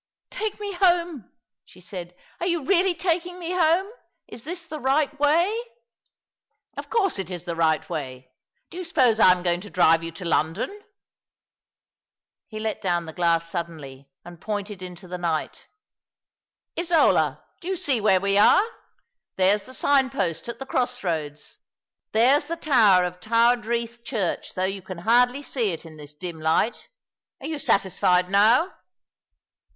'* Take m© home/'' she said. " Are yos reftlly taking m« home ? Is this the right ii%j ?S 3o6 All along the River, "Of course it is tlie right way. Do you suppose I am going to drive you to London ?" He let down the glassy suddenly, and pointed into the night. " Isola, do yon see where we are ? There's the sign post at the cross roads. There's the tower of Tywardreath Church, though you can hardly see it in this dim light. Are you satisfied now